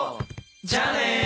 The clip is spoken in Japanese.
じゃあね！